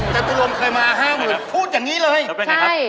จัตรูลมเคยมาห้ามหรือพูดอย่างนี้เลย